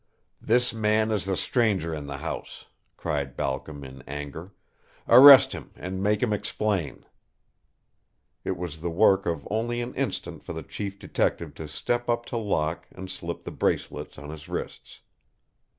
"This man is the stranger in the house," cried Balcom, in anger. "Arrest him and make him explain." It was the work of only an instant for the chief detective to step up to Locke and slip the bracelets on his wrists.